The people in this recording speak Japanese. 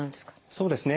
そうですね。